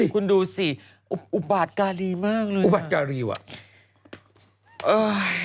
คุณดูสิอุบาตการีมากเลย